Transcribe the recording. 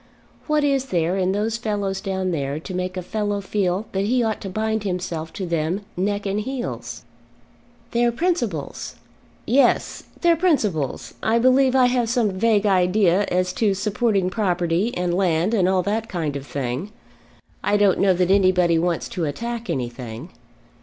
What is there in those fellows down there to make a fellow feel that he ought to bind himself to them neck and heels?" "Their principles." "Yes, their principles! I believe I have some vague idea as to supporting property and land and all that kind of thing. I don't know that anybody wants to attack anything."